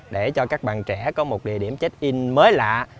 để cho các bạn trẻ có một địa điểm check in mới lạ